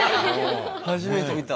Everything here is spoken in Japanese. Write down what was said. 初めて見た。